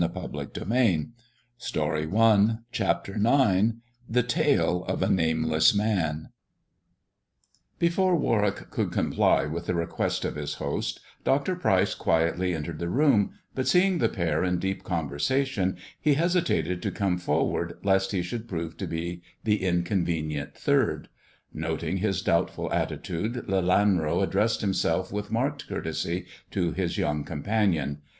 THE dwarf's chamber 69 CHAPTER IX THE TALE OP A NAMELESS MAN ^EFORE Warwick could comply with the request of his ) host, Dr. Pryce quietly entered the room, but seeing e pair in deep conversation, he hesitated to come forward 3t he should prove to be the inconvenient third. Noting s doubtful attitude, Lelanro addressed himself with arked courtesy to his young companion.